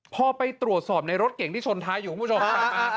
พอไปตรวจสอบในรถเก่งที่ชนท้ายอยู่คุณผู้ชมตามมา